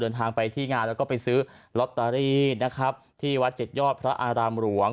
เดินทางไปที่งานแล้วก็ไปซื้อลอตเตอรี่นะครับที่วัดเจ็ดยอดพระอารามหลวง